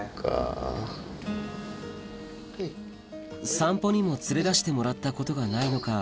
散歩にも連れ出してもらったことがないのか